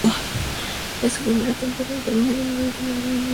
En su primera temporada terminaron en último lugar, ganando solo un partido.